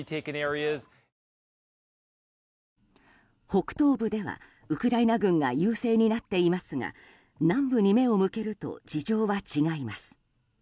北東部ではウクライナ軍が優勢になっていますが南部に目を向けると事情は違います。